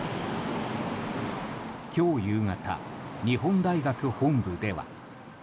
今日夕方日本大学本部では。